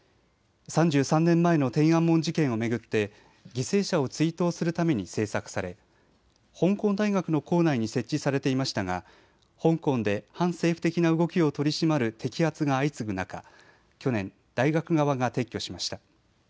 ３３年前の天安門事件を巡って犠牲者を追悼するために制作され香港大学の構内に設置されていましたが香港で反政府的な動きを取り締まる摘発が相次ぐ中去年大学側が撤去しました。